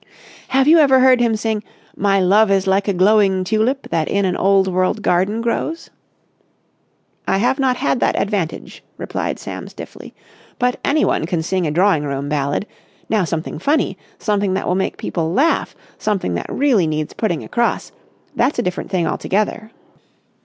"Have you ever heard him sing 'My love is like a glowing tulip that in an old world garden grows'?" "I have not had that advantage," replied Sam stiffly. "But anyone can sing a drawing room ballad. Now something funny, something that will make people laugh, something that really needs putting across ... that's a different thing altogether."